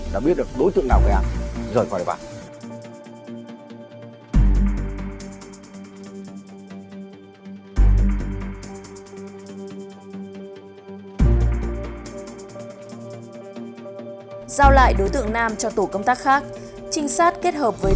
lợi dụng lúc chui đuổi không ai để ý